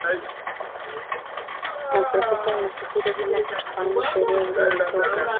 na profesa unafikiri kwamba kutofahamu sheria hizo za soka